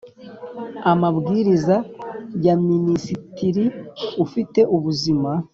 Amabwiriza ya Minisitiri ufite ubuzima